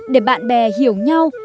để bạn bè hiểu nhau